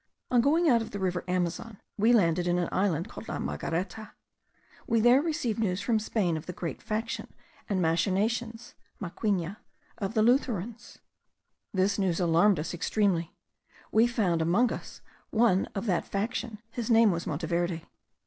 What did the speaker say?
On going out of the river Amazon, we landed in an island called La Margareta. We there received news from Spain of the great faction and machination (maquina) of the Lutherans. This news alarmed us extremely; we found among us one of that faction; his name was Monteverde.